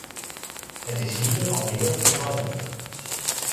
Het is hier al weer gevallen.